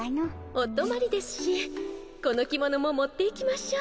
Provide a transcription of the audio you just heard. おとまりですしこの着物も持っていきましょう。